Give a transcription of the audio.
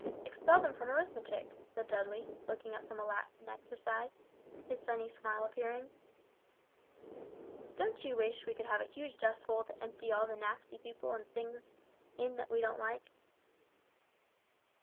"Expel them from arithmetic," said Dudley, looking up from a latin exercise, his sunny smile appearing. "Don't you wish we could have a huge dust hole to empty all the nasty people and things in that we don't like?"